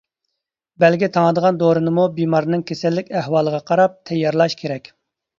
بەلگە تاڭىدىغان دورىنىمۇ بىمارنىڭ كېسەللىك ئەھۋالىغا قاراپ تەييارلاش كېرەك!